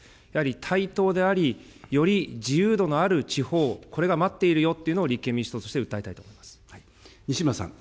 やはり対等であり、より自由度のある地方、これが待っているよっていうのを、立憲民主党として訴西村さん。